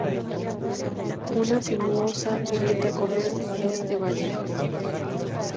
Una sinuosa grieta corre este valle.